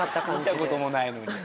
見た事もないのに。